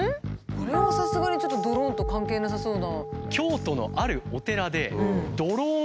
これはさすがにちょっとドローンと関係なさそうな。